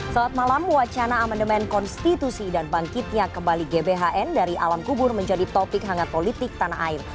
saat malam wacana amandemen konstitusi dan bangkitnya kembali gbhn dari alam kubur menjadi topik hangat politik tanah air